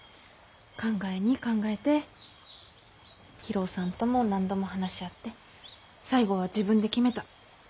考えに考えて博夫さんとも何度も話し合って最後は自分で決めた。